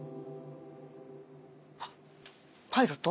あっパイロット？